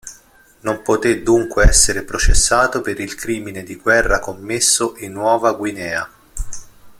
Non poté dunque essere processato per il crimine di guerra commesso in Nuova Guinea.